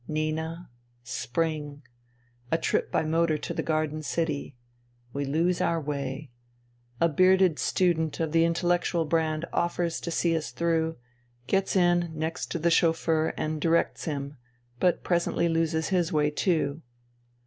Nina. Spring. A trip by motor to the Garden City. We lose our way. A bearded student of the intellectual brand offers to see us through, gets in next to the chauffeur and directs him, but presently loses his way too.